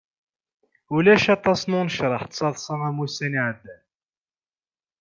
Ulac aṭas n unecraḥ d taḍsa am ussan iɛeddan.